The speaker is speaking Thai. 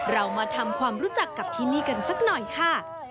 เรามาทำความรู้จักกับที่นี่กันสักหน่อยค่ะ